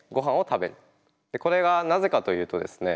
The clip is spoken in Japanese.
これがなぜかというとですね